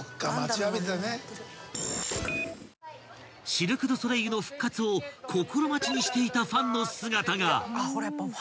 ［シルク・ドゥ・ソレイユの復活を心待ちにしていたファンの姿が］